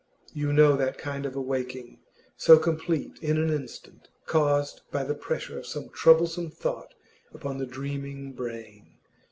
You know that kind of awaking, so complete in an instant, caused by the pressure of some troublesome thought upon the dreaming brain.